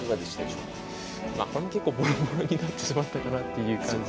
これも結構ボロボロになってしまったかなっていう感じ。